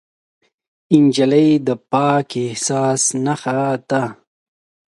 نجلۍ د پاک احساس نښه ده.